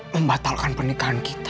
tidak mungkin kita